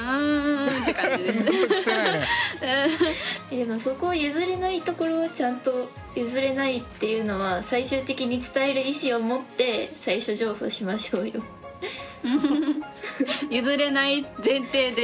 でもそこを譲れないところはちゃんと譲れないっていうのは最終的に伝える意志を持って譲れない前提で。